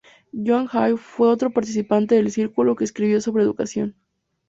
John Hall fue otro participante del Círculo que escribió sobre educación.